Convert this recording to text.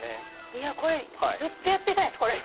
いやこれずっとやってたいですこれ！